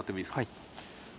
はい。